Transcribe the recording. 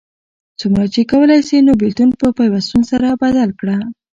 څومره چی کولای سې نو بیلتون په پیوستون سره بدل کړه